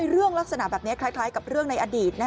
เรื่องลักษณะแบบนี้คล้ายกับเรื่องในอดีต